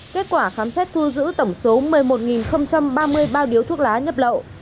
kết quả khám xét thu giữ tổng số một mươi một ba mươi bao điếu thuốc lá nhập lậu